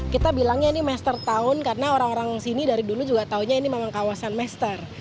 kita bilangnya ini master town karena orang orang sini dari dulu juga taunya ini memang kawasan master